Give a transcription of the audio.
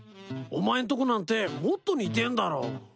お前んとこなんてもっと似てんだろ。